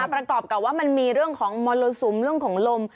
ประกอบกับว่ามันมีเรื่องของมรสุมเรื่องของลม